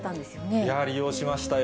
いやー、利用しましたよ。